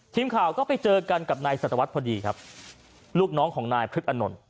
ทีมข่าวก็ไปเจอกันกับนายสัตวรรษพอดีครับลูกน้องของนายพฤษอนนท์